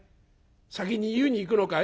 先に湯に行くのかい？